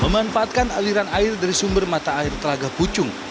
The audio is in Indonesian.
memanfaatkan aliran air dari sumber mata air telaga pucung